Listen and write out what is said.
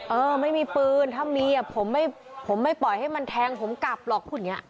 เออไม่มีปืนถ้ามีผมไม่ปล่อยให้มันแทงผมกลับหรอก